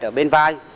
ở bên vai